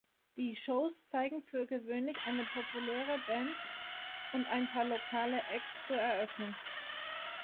Die Shows zeigen für gewöhnlich eine populäre Band und ein paar lokale Acts zur Eröffnung.